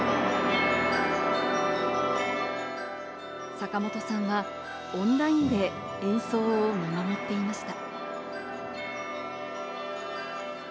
坂本さんはオンラインで演奏を見守っていました。